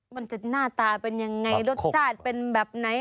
มันจะหน้าตาเป็นยังไงรสชาติเป็นแบบไหน